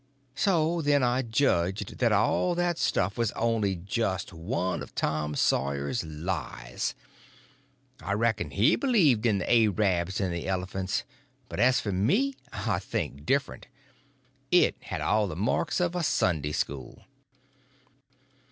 So then I judged that all that stuff was only just one of Tom Sawyer's lies. I reckoned he believed in the A rabs and the elephants, but as for me I think different. It had all the marks of a Sunday school.